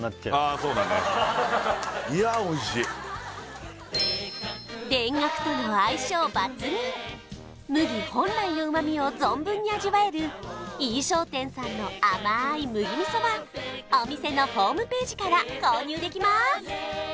そうだねいや美味しい田楽との相性抜群麦本来の旨みを存分に味わえる井伊商店さんの甘い麦味噌はお店のホームページから購入できます